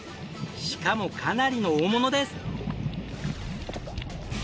しかもかなりの大物です！